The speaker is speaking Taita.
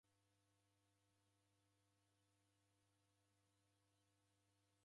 Ngapata magome naagha nyumba rekodesha.